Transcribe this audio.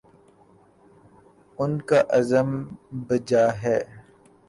ان کا عزم بجا ہے۔